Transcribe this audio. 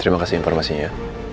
terima kasih informasinya